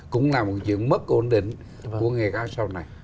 cũng là một chuyện mất ổn định của nghề cá sau này